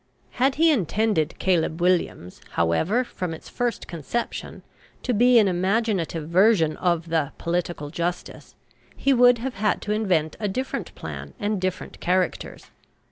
Had he intended "Caleb Williams," however, from its first inception, to be an imaginative version of the "Political Justice," he would have had to invent a different plan and different characters.